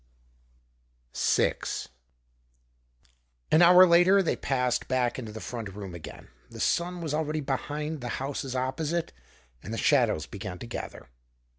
6 An hour later they passed back into the front room again. The sun was already behind the houses opposite, and the shadows began to gather.